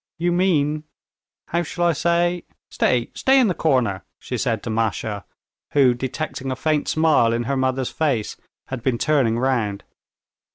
"You mean, how shall I say.... Stay, stay in the corner!" she said to Masha, who, detecting a faint smile in her mother's face, had been turning round.